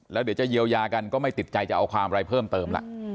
แล้วเดี๋ยวจะเยียวยากันก็ไม่ติดใจจะเอาความอะไรเพิ่มเติมล่ะ